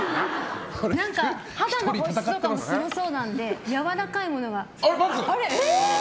肌の保湿とかすごそうなのでやわらかいものが。